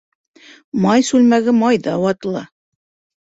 Май сүлмәге майҙа ватыла.